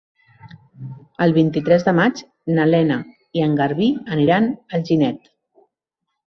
El vint-i-tres de maig na Lena i en Garbí aniran a Alginet.